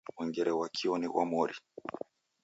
Mwengere ghwa kio ni ghwa mori.